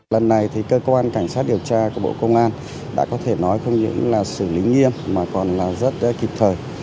lần này thì cơ quan cảnh sát điều tra của bộ công an đã có thể nói không những là xử lý nghiêm mà còn là rất kịp thời